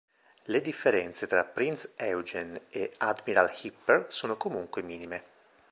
Le differenze tra "Prinz Eugen" e "Admiral Hipper" sono comunque minime.